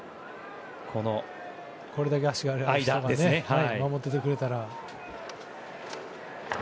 これだけ足がある人が守っていてくれたら。